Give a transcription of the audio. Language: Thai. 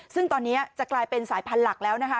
ซึ่งตอนนี้จะกลายเป็นสายพันธุ์หลักแล้วนะคะ